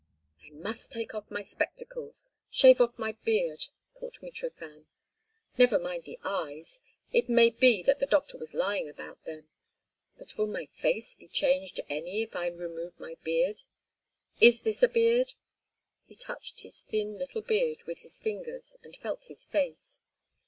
"I must take off my spectacles, shave off my beard," thought Mitrofan. "Never mind the eyes—it may be that the doctor was lying about them. But will my face be changed any if I remove my beard? Is this a beard?" He touched his thin little beard with his fingers and felt his face.